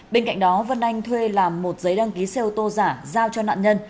bên cạnh đó vân anh thuê làm một giấy đăng ký xe ô tô giả